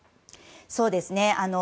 そうですね。